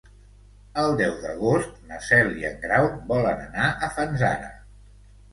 El deu d'agost na Cel i en Grau volen anar a Fanzara.